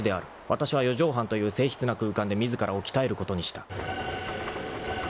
［わたしは四畳半という静謐な空間で自らを鍛えることにした］